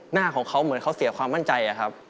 หน้าของเขาเหมือนเขาเสียความมั่นใจครับ